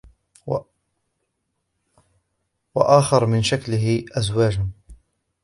وآخر من شكله أزواج